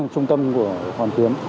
trung tâm của hoàn kiếm